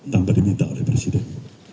tanpa diminta oleh presiden